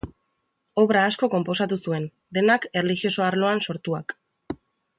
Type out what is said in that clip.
Obra asko konposatu zuen, denak erlijioso arloan sortuak.